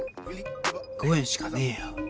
５円しかねえよ